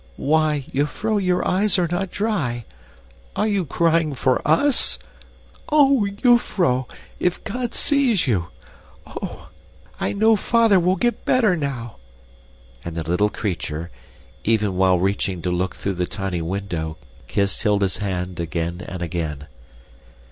Why, jufvrouw, your eyes are not dry! Are you crying for US? Oh, jufvrouw, if God sees you! Oh! I know father will get better now." And the little creature, even while reaching to look through the tiny window, kissed Hilda's hand again and again.